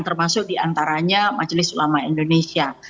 termasuk diantaranya majelis ulama indonesia